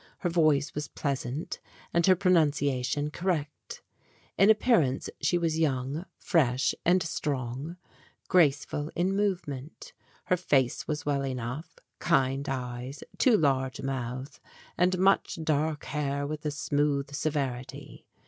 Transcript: Her voice was pleasant, and her pronunciation correct. In ap pearance she was young, fresh and strong, graceful in movement. Her face was well enough kind eyes, too large a mouth, and much dark hair with a smooth severity.